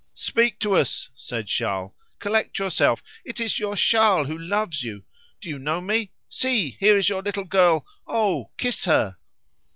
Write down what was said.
"Speak to us," said Charles; "collect yourself; it is your Charles, who loves you. Do you know me? See! here is your little girl! Oh, kiss her!"